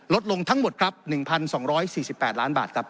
ลดลงทั้งหมดครับ๑๒๔๘ล้านบาทครับ